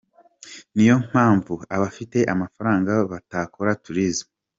Niyo mpamvu abafite amafaranga bakora Tourism.